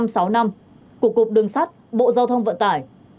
của cục cục đường sát bộ giao thông vận tải